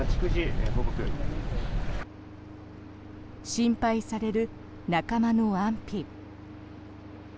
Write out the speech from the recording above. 心配される仲間の安否。